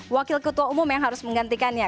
wakil ketua umum yang harus menggantikannya